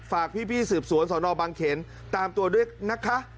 ฝากพี่สืบสวนสนบางเขนตามตัวด้วยนะคะ